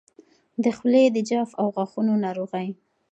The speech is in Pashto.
د خولې د جوف او غاښونو ناروغۍ